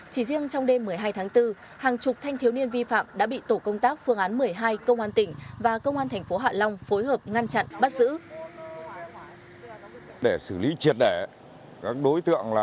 chỉ riêng trong đêm một mươi hai tháng bốn hàng chục thanh thiếu niên vi phạm đã bị tổ công tác phương án một mươi hai công an tỉnh và công an thành phố hạ long phối hợp ngăn chặn bắt giữ